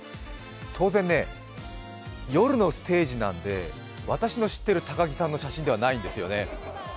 当然、夜のステージなので私の知ってる高木さんの写真ではないんですよね。